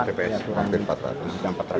tidak ada yang keluar pak